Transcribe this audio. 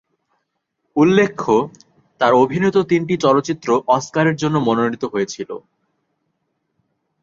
উল্লেখ্য, তার অভিনীত তিনটি চলচ্চিত্র অস্কারের জন্য মনোনীত হয়েছিলো।